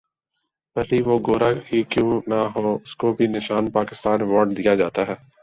بھلے وہ گورا ہی کیوں نہ ہو اسکو بھی نشان پاکستان ایوارڈ جاتا ہے